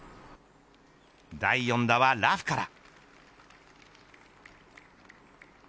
第４打はラフから。